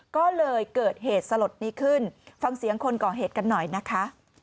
ก็เลยเกิดเหตุสลดนี้ขึ้นฟังเสียงคนก่อเหตุกันหน่อยนะคะ